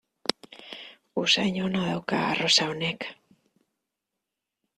Usain ona dauka arrosa honek.